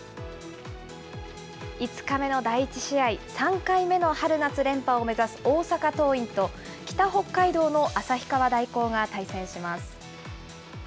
５日目の第１試合、３回目の春夏連覇を目指す大阪桐蔭と、北北海道の旭川大高が対戦します。